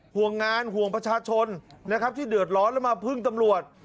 ห่วงงานห่วงประชาชนนะครับที่เดือดร้อนแล้วมาพึ่งตำรวจ